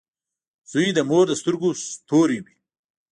• زوی د مور د سترګو ستوری وي.